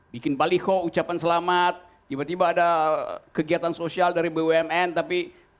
bikin baliho ucapan selamat tiba tiba ada kegiatan sosial dari bumn tapi